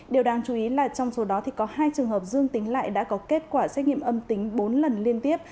điều đáng chú ý là trong số đó có hai trường hợp dương tính lại đã có kết quả xét nghiệm âm tính bốn lần liên tiếp